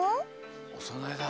おそなえだ。